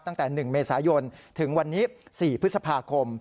ตั้งแต่๑เมษายนถึงวันนี้๔พฤษภาคม